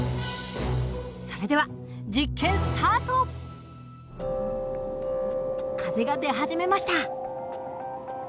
それでは実験スタート！風が出始めました。